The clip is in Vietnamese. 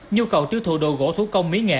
nhu cầu tiêu thụ đồ gỗ thủ công mỹ nghệ